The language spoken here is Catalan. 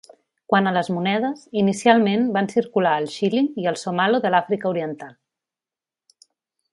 Quant a les monedes, inicialment van circular el xíling i el somalo de l'Àfrica oriental.